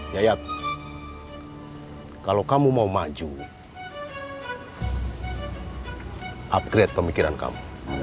yayat kalau kamu mau maju upgrade pemikiran kamu